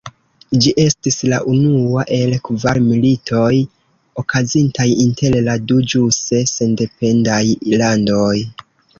Ĝi estis la unua el kvar militoj okazintaj inter la du ĵuse sendependaj landoj.